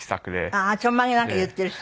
あっちょんまげなんか結っているし。